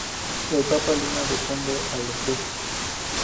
El papa Luna depone a los tres.